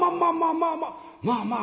まあまあまあまあ。